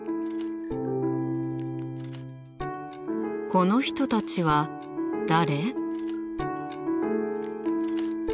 この人たちは誰？